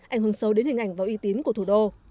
ảnh hưởng sâu đến hình ảnh và uy tín của thủ đô